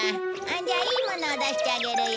じゃあいい物を出してあげるよ。